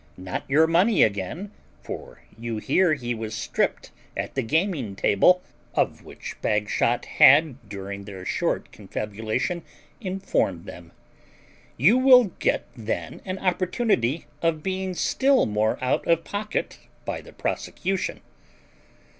Not your money again, for you hear he was stripped at the gaming table (of which Bagshot had during their short confabulation informed them); you will get then an opportunity of being still more out of pocket by the prosecution.